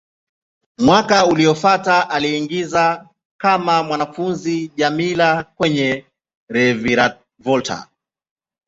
Mwaka uliofuata, aliigiza kama mwanafunzi Djamila kwenye "Reviravolta".